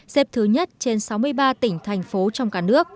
xếp thứ nhất trên sáu mươi ba tỉnh thành phố trong cả nước